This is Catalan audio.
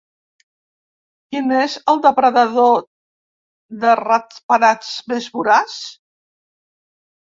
Quin és el depredador de ratpenats més voraç?